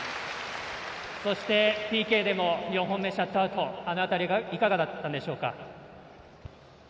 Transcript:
そしてＰＫでも４本目、シャットアウトあの辺り、いかがでしたか？